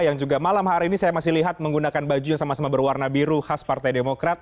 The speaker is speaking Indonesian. yang juga malam hari ini saya masih lihat menggunakan baju yang sama sama berwarna biru khas partai demokrat